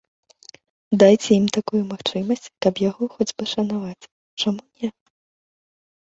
Дайце ім такую магчымасць, каб яго хоць бы шанаваць, чаму не?